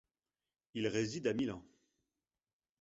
Il réside à Milan.